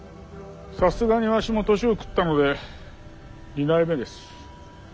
さすがにわしも年を食ったので二代目です。